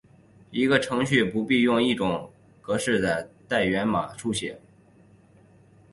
一个程序不必用同一种格式的源代码书写。